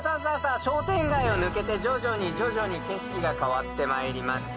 商店街を抜けて徐々に徐々に景色が変わってまいりました。